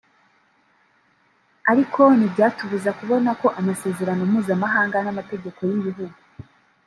Ariko ntibyatubuza kubona ko amasezerano mpuzamahanga n’amategeko y’ibihugu